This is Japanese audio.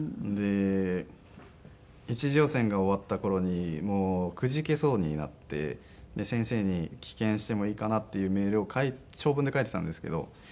で１次予選が終わった頃にもうくじけそうになって先生に棄権してもいいかなっていうメールを長文で書いてたんですけど。